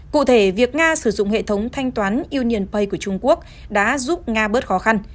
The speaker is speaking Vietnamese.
cụ thể việc nga sử dụng hệ thống thanh toán unian pay của trung quốc đã giúp nga bớt khó khăn